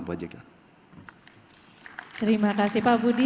terima kasih pak budi